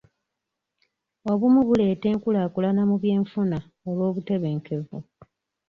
Obumu buleeta enkukulaakuna mu byenfuna olw'obutebenkevu.